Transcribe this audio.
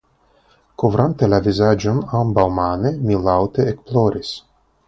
Kovrante la vizaĝon ambaŭmane, mi laŭte ekploris.